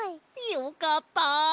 よかった。